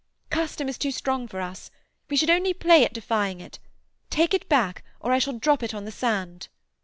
Custom is too strong for us. We should only play at defying it. Take it back—or I shall drop it on the sand."